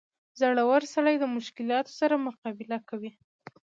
• زړور سړی د مشکلاتو سره مقابله کوي.